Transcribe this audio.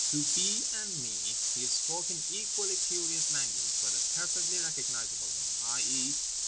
To B. and me he spoke an equally curious language, but a perfectly recognizable one, i.e.